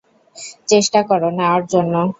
চেষ্টা কর, নেওয়ার জন্য।